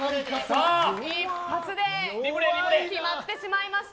一発で決まってしまいました。